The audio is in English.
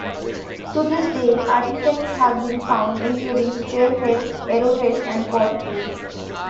To this day artifacts have been found including spearheads, arrowheads and pottery.